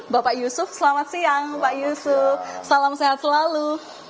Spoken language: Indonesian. bapak yusuf selamat siang salam sehat selalu